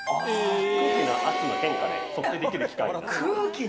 空気圧の変化で測定できる機械です。